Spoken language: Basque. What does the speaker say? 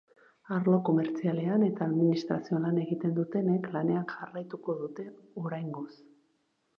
Arlo komertzialean eta administrazioan lan egiten dutenek lanean jarraituko dute, oraingoz.